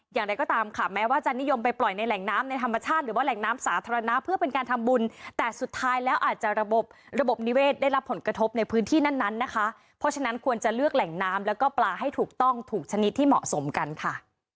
อย่างไรก็ตามค่ะแม้ว่าจะนิยมไปปล่อยในแหล่งน้ำในธรรมชาติหรือว่าแหล่งน้ำสาธารณะเพื่อเป็นการทำบุญแต่สุดท้ายแล้วอาจจะระบบระบบนิเวศได้รับผลกระทบในพื้นที่นั้นนะคะเพราะฉะนั้นควรจะเลือกแหล่งน้ำแล้วก็ปลาให้ถูกต้องถูกชนิดที่เหมาะสมกันค่ะ